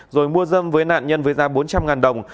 rồi mua dâm với nạn nhân với giá bốn trăm linh đồng